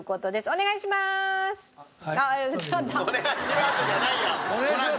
「お願いします」って。